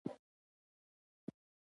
دا توپیرونه ښايي معکوس حرکت خپل کړي